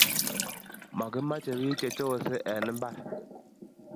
Makimache pik che chores en mbar